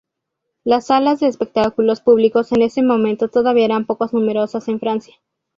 Las salas de espectáculos públicos en ese momento todavía eran poco numerosas en Francia.